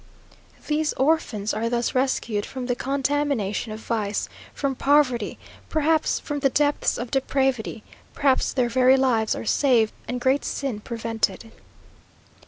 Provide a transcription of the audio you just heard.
These orphans are thus rescued from the contamination of vice, from poverty, perhaps from the depths of depravity; perhaps their very lives are saved, and great sin prevented.